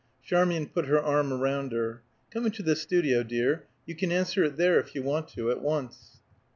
Charmian put her arm round her. "Come into the studio, dear. You can answer it there, if you want to, at once."